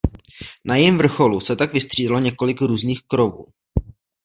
Na jejím vrcholu se tak vystřídalo několik různých krovů.